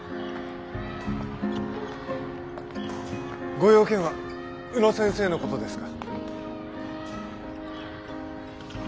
ご用件は宇野先生の事ですか？